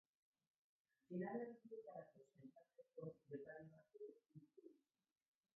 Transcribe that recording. Finalerdietarako sailkatzeko pilotari batzuk ezin dute huts egin.